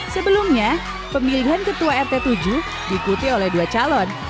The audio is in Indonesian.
sebelumnya pemilihan ketua rt tujuh diikuti oleh dua calon